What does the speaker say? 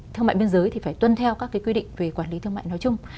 thương mại biên giới thì phải tuân theo các quy định về quản lý thương mại nói chung